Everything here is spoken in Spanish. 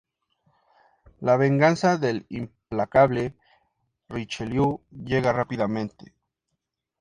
La venganza del implacable Richelieu llega rápidamente.